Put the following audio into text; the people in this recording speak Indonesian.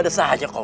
dada sah aja kau